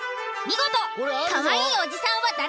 見事かわいいおじさんは誰？